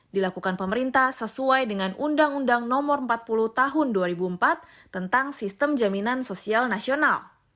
dilakukan pemerintah sesuai dengan undang undang no empat puluh tahun dua ribu empat tentang sistem jaminan sosial nasional